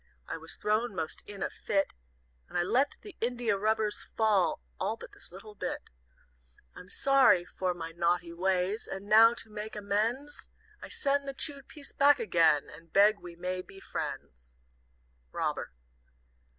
I was thrown most in a fit, And I let the india rubbers fall All but this little bit. "I'm sorry for my naughty ways, And now, to make amends, I send the chewed piece back again, And beg we may be friends. "ROBBER."